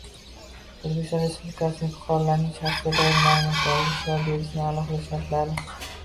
O‘zbekiston Respublikasi fuqarolarining shaxsga doir ma’lumotlariga ishlov berishning alohida shartlari